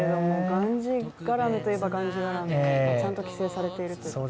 がんじがらめといえばがんじがらめですがちゃんと規制されています。